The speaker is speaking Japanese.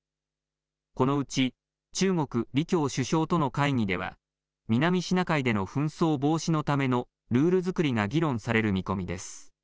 このうち中国、李強首相との会議では南シナ海での紛争防止のためのルール作りが議論される見込みです。